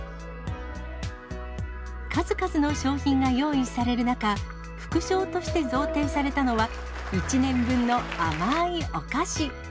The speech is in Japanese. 数々の商品が用意される中、副賞として贈呈されたのは、１年分の甘ーいお菓子。